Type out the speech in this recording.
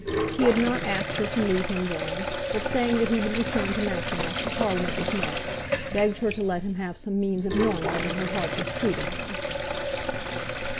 He had not asked her to meet him then, but saying that he would return to Matching after Parliament was met, begged her to let him have some means of knowing whether her heart was true to him.